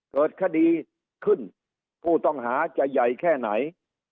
เกิดคดีขึ้นผู้ต้องหาจะใหญ่แค่ไหน